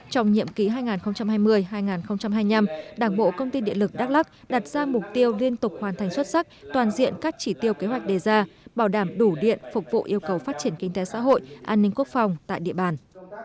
trong nhiệm ký hai nghìn hai mươi hai nghìn hai mươi năm đảng bộ công ty điện lực đắk lắc đặt ra mục tiêu liên tục hoàn thành xuất sắc toàn diện các chỉ tiêu kế hoạch đề ra bảo đảm đủ điện phục vụ yêu cầu phát triển kinh tế xã hội an ninh quốc phòng tại địa bàn